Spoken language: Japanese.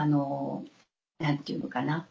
何ていうのかな。